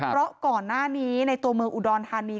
เพราะก่อนหน้านี้ในตัวเมืองอุดรธานี